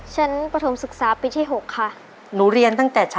ฉันปฐมศึกษาปีที่๖ค่ะ